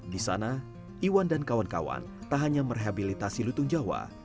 di sana iwan dan kawan kawan tak hanya merehabilitasi lutung jawa